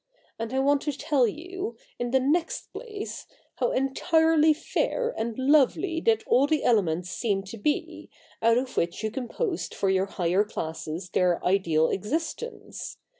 And I want to tell you, in the next place, how entirely fair and lovely did all the elements seem to be, out of which you composed for your higher classes their ideal existence.